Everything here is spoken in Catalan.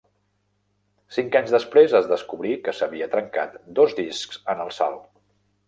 Cinc anys després es descobrí que s'havia trencat dos discs en el salt.